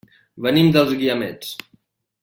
Venim dels Guiamets.